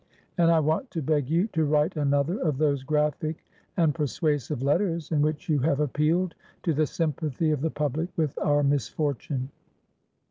And I want to beg you to write another of those graphic and persuasive letters, in which you have appealed to the sympathy of the public with our misfortune."